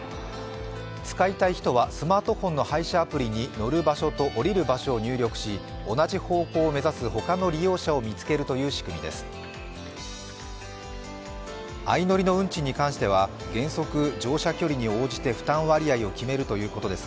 使いたい人はスマートフォンの配車アプリに乗る場所と降りる場所を入力し、同じ方向を目指す他の利用者を見つけるということです。